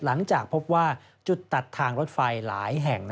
หลังจากพบว่าจุดตัดทางรถไฟหลายแห่ง